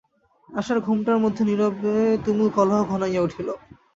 আশার ঘোমটার মধ্যে নীরবে তুমুল কলহ ঘনাইয়া উঠিল।